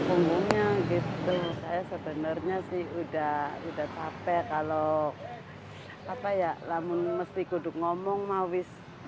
umumnya gitu saya sebenarnya sih udah udah capek kalau apa ya lamun mesti kuduk ngomong mawis